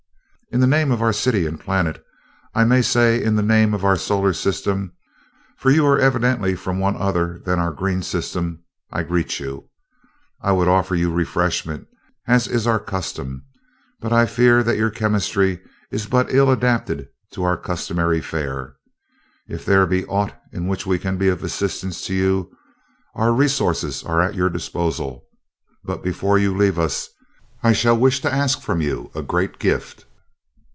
"In the name of our city and planet I may say in the name of our solar system, for you are very evidently from one other than our green system I greet you. I would offer you refreshment, as is our custom, but I fear that your chemistry is but ill adapted to our customary fare. If there be aught in which we can be of assistance to you, our resources are at your disposal but before you leave us, I shall wish to ask from you a great gift."